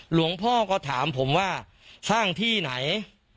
หลวงพ่อก็ถามผมว่าสร้างที่ไหน